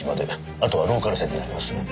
あとはローカル線になりますので。